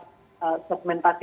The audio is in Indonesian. jadi masing masing segmentasi